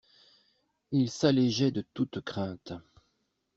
Il s'allégeait de toutes craintes.